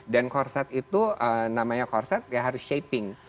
dan korset itu namanya korset ya harus shaping